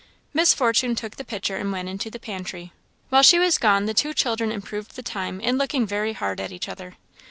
Miss Fortune took the pitcher and went into the pantry. While she was gone, the two children improved the time in looking very hard at each other.